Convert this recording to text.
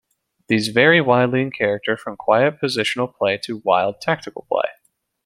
These vary widely in character from quiet positional play to wild tactical play.